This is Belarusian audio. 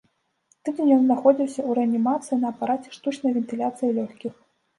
Тыдзень ён знаходзіўся ў рэанімацыі на апараце штучнай вентыляцыі лёгкіх.